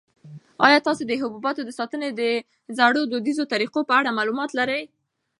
آیا تاسو د حبوباتو د ساتنې د زړو دودیزو طریقو په اړه معلومات لرئ؟